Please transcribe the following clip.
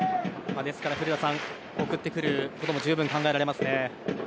古田さん、送ってくることも十分考えられますね。